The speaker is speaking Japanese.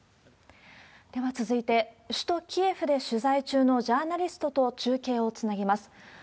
では続いて、首都キエフで取材中のジャーナリストと中継をつなぎます。